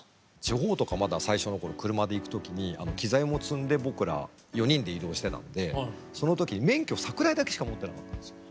地方とかまだ最初の頃車で行く時に機材も積んで僕ら４人で移動してたんでその時に免許桜井だけしか持ってなかったんですよ。